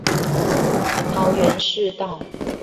桃園市道